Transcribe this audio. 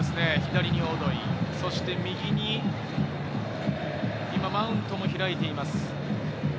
左にオドイ、そして右に今、マウントも開いています。